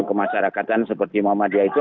kemasyarakatan seperti muhammadiyah itu